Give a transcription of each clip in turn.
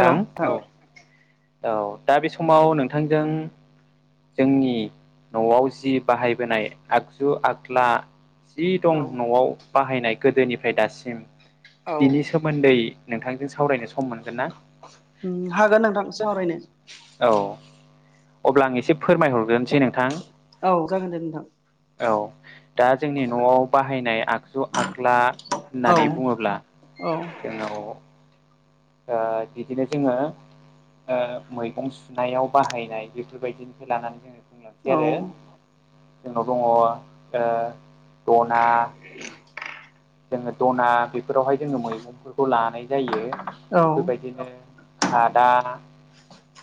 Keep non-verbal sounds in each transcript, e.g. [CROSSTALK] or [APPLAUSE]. नोंथां औ औ दा बे समाव नोंथांजों जोंनि न'आव जि बाहायबोनाय आगजु आगला जि औ दं न'आव बाहायनाय गोदोनिफ्राय दासिम बिनि सोमोन्दै नोंथांजों सावरायनो सम मोनगोन ना हागोन नोंथां सावरायनो औ अब्ला आं एसे फोरमायहरग्रोनोसै नोंथां औ जागोन दे नोंथां औ दा जोंनि न'आव बाहायनाय आगजु आग्ला औ औ जङ बिदिनो जोङो मैगं सुनायाव बाहायनाय बेफोरबायदिनिफ्राय लानानै जोङो औ बुंलांसै आरो जोंनाव दङ दना जोङो दना बेफोरावहाय जोङो मैगंफोरखौ लानाय जायो औ बेफोरबायदिनो खादा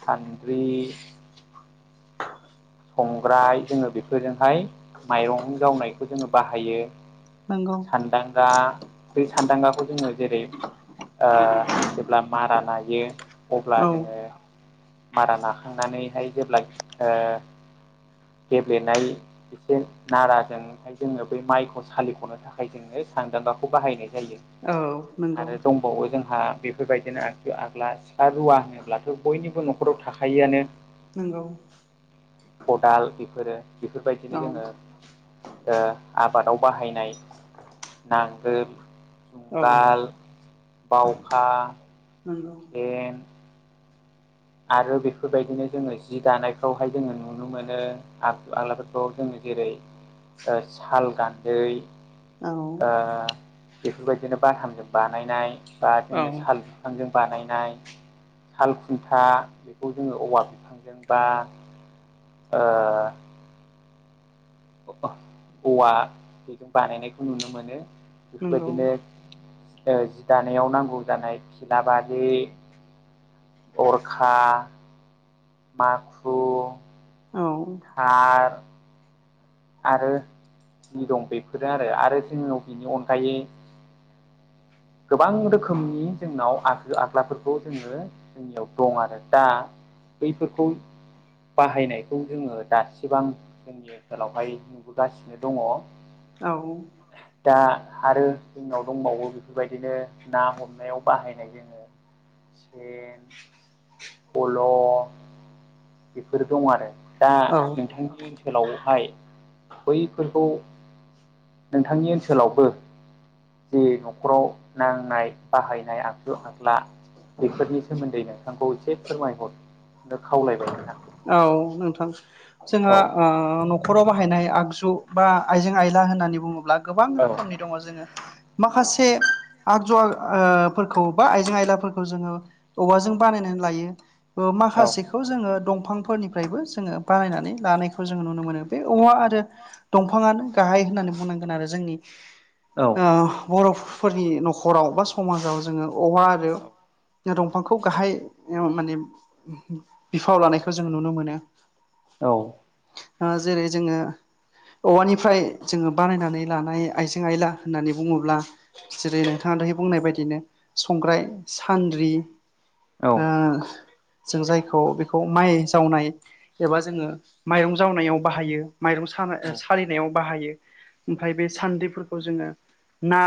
सानद्रि [UNINTELLIGIBLE] संग्राय जोङो बेफोरजोंहाय माइरं गावनायखौ जोङो बाहायो नंगौ सानदांगा ब सानदांगाखौ जोङो जेरै जेब्ला मारा नायो अब्ला औ जोङो मारा लााखांनानैहाय जेब्ला गेब्लेनाय एसे नाराजों मथाय जोङो बै माइखौ सालिख'नो थाखाय जोङो सानदांगाखौ बाहायनाय जायो औ नंगौ आरो दंबावो जोंहा बेफोरबायदिनो आग्लासिखा रुवा होनोब्लाथ' बयनिबो न'खराव थाखआनो नंगौ खदाल बेफोरो बेफोरबायदिनो औ जोङो आबादाव बाहायनाय नांगोल औ जुंगाल बााव अखा नंगौ हुखेन आरो बेफोरबायदिनो जोङो जि दानायखौहाय जोङो नुनो मोनो आग आग्लाफोरखौ जोङो जेरै साल गान्दै औ औ बेफोरबायदिनो बाथानजों बानायनाय बा जोङो साल बिफांजों बानायनाय साल खु फा बेखौ जोङो औवा बिफांजों बा औवा बेजों बानायनायखौ नुनो मोनो। नंगौ बेफोरबायदिनो जि दानायाव नांगौ जानाय खिलाबारि अरखा माखु औ आरो आरो जि दं बेफोरो आरो आरो जोंनिन बिनि अनगायै गोबां रोखोमनि जोंनाव आगो आग्लाफोरखौ जोङो जोंनियाव दं आरो दा बैफोरखौ बाहायनायखौ जोङो दासिबां जोंनि ओनसोलावहाय नुबोगासिनो दङ औ दा आरो जोंनाव दंबावो बे बेबायदिनो ना हमनायाव बाहायनाय जोङो फल' बेफोर दं आरो। दा औ नोंथांनि ओनसोलावहाय बैफोरखौ नोंथांनि ओनसोलावबो जे नखर न'खराव नांनाय बाहायनाय आखु आखला बेफोरनि सोमोन्दै नोंथांखौ एसे फोरमायहरनो खावलायबाय नोंथां औ नोंथां जोंहा औ ओ न' नखराव बाहायनाय आगजु बा आइजें आयला होननानै बुङोब्ला गोबां औ रोखोमनि दङ जोङो माखासे आगजुआफोरखौ बा आइजें आयलाफोरखौ जोङो औवाजों बानायनानै लायो माखासेखौ जोङो दं। दंफांफोरनिफ्रायबो जोङो बानायनानै लानायखौ जोङो नुनो मोनो बे औवा आरो दंफाङानो गाहाय होननानै बुंनांगोन आरो जोंनि औ ओ बर'फोरनि न'खराव बा समाजाव जोङो अवा आरो दंफांखौ गाहाय माने बिफाव लानायखौ जों नुनो मोनो। औ जेरै जोङो औवानिफ्राय जोङो बानायनानै लानाय आइजें आयला होननानै बुङोब्ला जेरै नोंथाङा दहाय बुंनाय बायदिनो संग्राय सान्द्रि औ जों जायखौ बेखौ माइ जावनाय एबा जोङो माइरं जावनायाव बाहायो माइरं सालिनायाव बाहायो ओमफ्राय बे सान्द्रिफोरखौ जोङो ना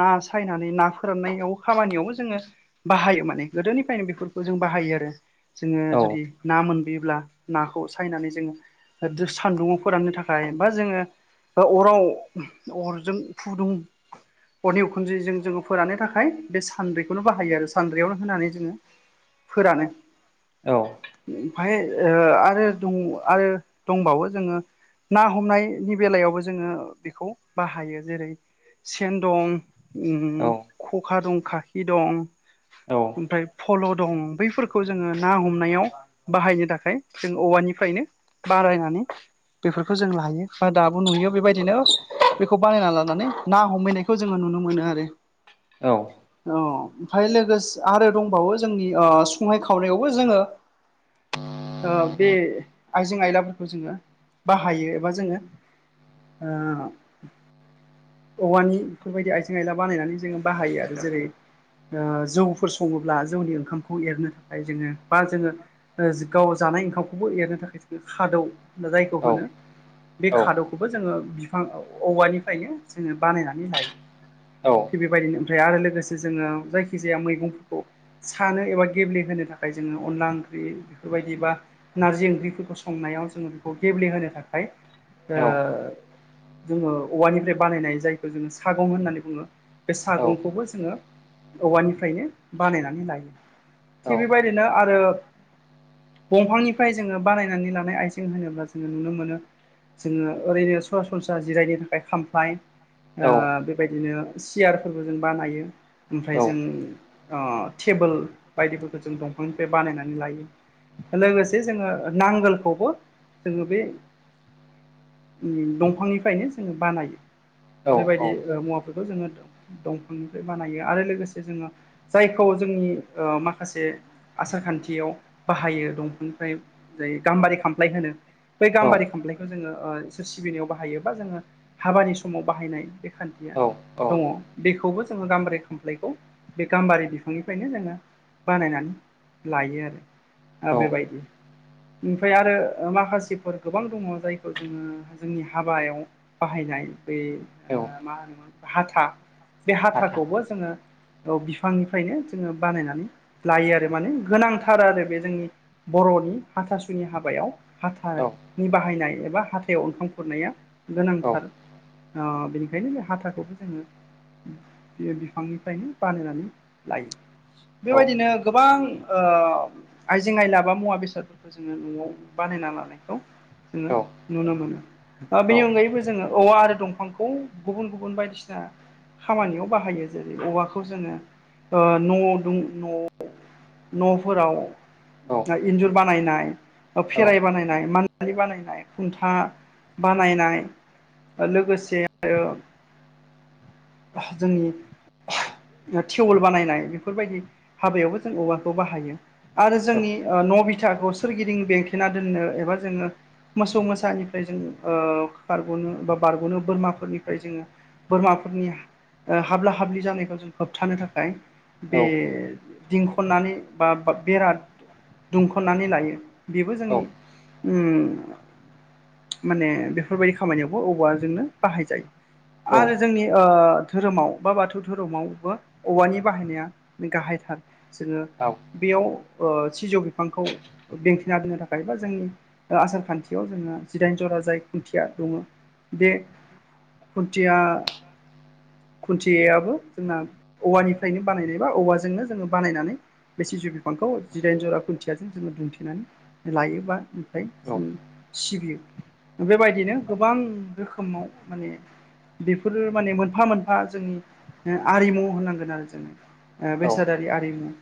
ना सायनानै ना फोराननायाव खामानियावबो जोङो बाहायो माने गोदोनिफ्रायनो बेफोरखौ जों बाहायो आरो जोङो जुदि ना मोनबोयोब्ला नाखौ सायनानै जोङो सान्दुंङाव फोराननो थाखाय बा जोङो अराव अरजों फुदुं अरनि उखुन्द्रिजों जोङो फोरोनानो थाखाय बे सानद्रैखौनो बाहायो आरो सानद्रैयावनो होनानै जोङो फोरानो। औ ओमफाय आरो द आरो दंबावो जोङो ना हमनायनि बेलायावबो जोङो बेखौ बाहायो जेरै सेन दं खखा दं खाखि दं। ओमफ्राय फल' दं बैफोरखौ जोङो ना हमनायाव बाहायनो थाखाय जों औवानिफ्रायनो बारायनानै बेफोरखौ जों लाहायो ब दाबो नुयो बेबायदिनो बेखौ बानायना लानानै ना हमहैनायखौ खौ जोङो नुनो मोनो आरो। औ। औ ओमफ्राय लोगोसे आरो दंबावो जोंनि संनाय खावनायावबो जोङो बे आइजें आयलाफोरखौ जोङो बाहायो एबा जोङो ओ औवानि बेफोरबायदि आइजें आयला बानायनानै जोङो बाहायो आरो जेरै ओ जौफोर सङोब्ला जौनि ओंखामखौ एरनो थाखाय जोङो बा जोङो ओ गाव जानाय ओंखामखौबो एरनो थाखाय जोङो खादौ जायखौ होनो बे खादोव खौबो जोङो फिफां औवानिफ्रायनो जोङो बानायनानै लायो औ। थिग बेबायदिनो ओमफ्राय आरो लोगोसे जोङो जायखिजाया मैगंफोरखौ सानो एबा गेब्लेहोनो थाखाय जोङो अनला बेफोरबायदि बा नारजि ओंख्रिफोरखौ संनायाव जोङो बेखौ गेब्लेहोनो थाखाय [INAUDIBLE] जोङो औवानिफ्राय बानायनाय जायखौ जोङो सागं होननानै बुङो बे सागंखौबो जोङो औवानिफ्रायनो बानायनानै लायो थिग बेबायदिनो आरो दंफांनिफ्राय जोङो बानायनानै लानाय आइजें होनोब्ला जोङो नुनो मोनो। जोङो ओरैनो सरासनस्रा जिरायनो थाखाय खामफ्लाय ओ बेबायदिनो सियारफोरबो जों बानायो ओमफ्राय जों ओ टेबोल बायदिफोरखौ जों दंफांनिफ्राय बानायनानै लायो। लोगोसे जोङो नांगोलखौबो जोङो बे उम दंफांनिफ्रायनो जोङो बानायो बेबायदि मुवाफोरखौ जोङो दं दंफांनिफ्राय बानायो आरो लोगोसे जोङो जायखौ जों माखासे आसार खान्थियाव बाहायो दंफांनिफ्राय जाय गाम्बारि खामफ्लाय होनो बै गाम्बारि खामफ्लायखौ जोङो ओ इसोर सिबिनायाव बाहायो बा जोङो हाबानि समाव बाहायनाय बे खान्थिया दङ औ बेखौबो जोङो गाम्बारि खामफ्लायखौ बे गाम्बारि बिफांनिफ्रायनो जोङो बानायनानै लायो आरो ओ औ बेै बायदि। ओमफ्राय आरो माखासेफोर गोबां दङ जायखौ जोङो जोंनि हाबायाव बाहायनाय बे औ मा होनोमोन हाथा बे हाथा हाथाखौबो जोङो औ बिफांनिफ्रायनो जोङो बानायनानै लायो आरो माने गोनांथार आरो बे जोंनि बर नि हाथासुनि हाबायाव हाथा औ नि बाहायनाय एबा हाथायाव ओंखाम खुरनाया औ गोनांथार ओ बेनिखायनो बे हाथाखौबो जोङो बियो बिफांनिफ्रायनो बानायनानै लायो औ बेबायदिनो गोबां ओ आइजें आइ लाबा मुवा बेसादफोरखौ जोङो नआव बानायना लानायखौ जोङो नुनो मोनो बेनि औ अनगायैबो जोङो औवा आरो दंफांखौ गुबुन गुबुन बायदिसिना खामानियाव बाहायो जेरै औवाखौ जोङो ओ न द नआव नफोराव इन्जुर बानायनाय खेराय बानायनाय मानालि बानायनाय खुन्था बानायनाय लोगोसे आरो जोंनि टिउवेल बानायनाय बेफोरबायदि हाबायावबो जों औवाखौ बाहायो आरो जोंनि न बिथाखौ सोरगिदिं बेंथेना दोननो एबा जोङो मोसौ मोसानिफ्राय जोङो ओ बारग नो बा बारग नो बोरमाफोरनिफ्राय जोङो बोरमाफोरनि हाब्ला हाब्लि जानायखौ जों होबथानो थाखाय बे औ दिंखननानै बा बेरा दुमखन्नानै लायो बेबो औ जोंनि उम माने बेफोरबायदि खामानियावबो औवाजोंनो बाहाय औ जायो आरो जोंनि नंगौ ओ धोरोमाव बा बाथौ धोरोमावबो औवानि बाहायनाया गाहायथार जोङो औ बेयाव ओ सिजौ बिफांखौ बेंथना दोननो थाखाय बा जोंनि आसार खान्थियाव जोंहा जिदाइन ज'रा जाय खुन्थिया दङ बे खुन्थिया खुन्थिययाबो जोंना औवानिफ्रायनो बानायनाय बा औवाजोंनो जोङो बानायनानै बे सिजौ बिफांखौ जिदाइन जरा खुन्थियााजों जोङो दुमथिनानै लायोबा ओमफ्राय जों सिबियो बेबायदिनो गोबां रोखोमाव माने बेफोरो माने मोनफा मोनफा जोंनि आरिमु होनांगोन आरो औ बेसादारि आरिमु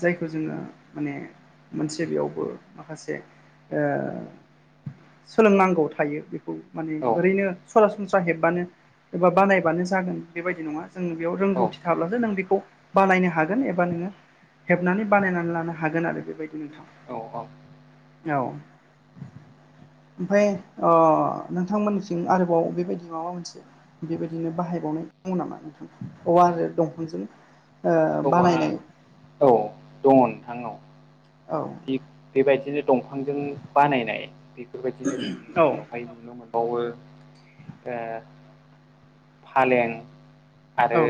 जायखौ जोङो माने मोनसे बेयावबो माखासे सोलोंनांगौ थायो बेखौ माने औ ओरैनो सरासनस्रा हेबबानो एबा बानायबानो जागोन बेबायदि नङा जों बेयाव औ रोंगौथि थाब्लासो नों बेखौ बालायनो हागोन एबा नोङो हेबनानै बानायनानै लानो हागोन आरो बेबायदि औ नोंथां औ ओमफफ्राय नोंथांमोननिथिं आरोबाव बेबायदि माबा मोनसे बेबायदिनो बाहायबावनाय दङ नामा नोंथां औवा आरो दंफांजों ओ औवा बानायनाय औ दङ नोंथांनाव औ बेबायदिनो दंफांजों बानायनाय बेफोरबायदिनो जोंनि औ ओनसोलावहाय नुनो मोनो बावो फालें आरो औ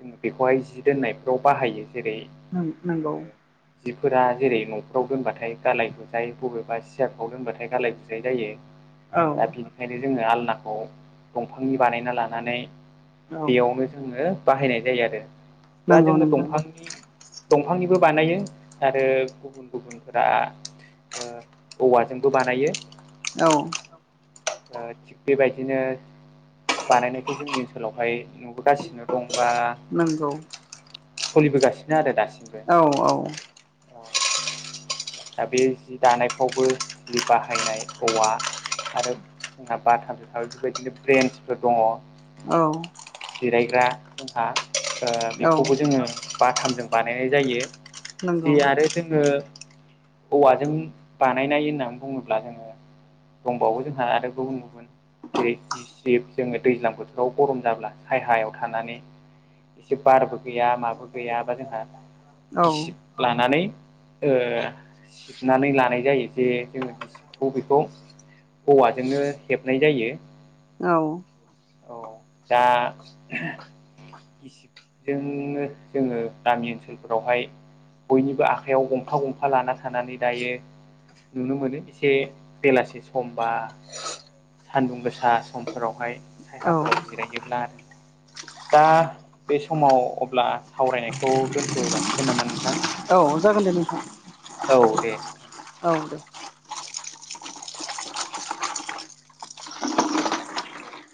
जोङ बेखौहाय जि दोननायफ्राव बाहायो जेरै उम नंगौ जोङो जिफोरा जेरै न'खराव दोनबाथाय गालाय गुजाय बबेबा सि बिजारखौ दोनबाथाय गालाय गुजाय जायो औ दा बि ओंखायनो जोङो आलनाखौ दंफांनि बानायना लानानै दैयावनो जोङो बाहायनाय जायो आरो दा नंगौ जोङो नंगौ दंफांनि दंफांनिबो बानायो आरो गुबुन गुबुनफोरा औवाजोंबो बानायो औ थिग बेबायदिनो बानायनायखौ जोंनि ओनसोलावहाय नुबोगासिनो दं बा नंगौ सोलिबोगासिनो आरो दासिमबो औ औ औ आचसा बे जि दानायफ्रावबो जि बाहायनाय औवा आरो जोंहा बाथामजों थाबाय बेबायदिनो ब्रेन्सफोर दङ औ जिरायग्रा जोंहा औ बेखौबो जोङो बाथामजों बानायनाय जायो [UNINTELLIGIBLE] जे आरो जोङो औवाजों बानायनाय होननानै बुङोब्ला जोङो दंबावो जोंहा आरो गुबुन गुबुन जेरै जिसिब जोङो दैज्लां बोथोराव गरम जाब्ला सायहायाव थानानै एसे बारबो गैया माबो गैयाा जोंहा औ गिसिब लानानै सिबनानै लानाय जायो जे जोङो गिसिबखौ बेखौ औवाजोंनो हेबनाय जायो औ औ दा गिसिबजोंनो जोङो गामि ओनसोलफोरावहाय बयनिबो आखाइयाव गंफा गंफा लाना थानानै दायो नुनो मोनो एसे बेलासि समबा सानदुं गोसा समफोरावहाय औ सायायााफोराव जिरायोब्ला आरो दा बे समाव अब्ला सावरायनायखौ दोनथ' जासिगोन नामा नोंथां औ जागोन दे नोंथां औ दे नोंथां दे औ दे